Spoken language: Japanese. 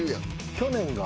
去年が？